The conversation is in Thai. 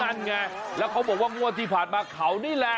นั่นไงแล้วเขาบอกว่างวดที่ผ่านมาเขานี่แหละ